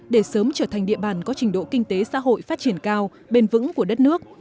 để sớm trở thành địa bàn có trình độ kinh tế xã hội phát triển cao bền vững của đất nước